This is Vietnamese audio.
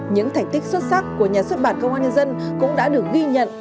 những thành tích xuất sắc của nhà xuất bản công an nhân dân cũng đã được ghi nhận